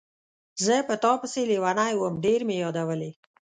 زه په تا پسې لیونی وم، ډېر مې یادولې.